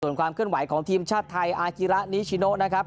ส่วนความเคลื่อนไหวของทีมชาติไทยอากิระนิชิโนนะครับ